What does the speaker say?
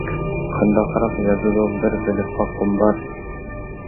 قانداقراق يازىدۇ بىر بىلىپ باققۇم بار!